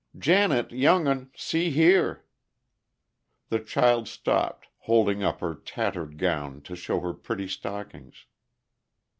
"Janet, young un! See here!" The child stopped, holding up her tattered gown to show her pretty stockings.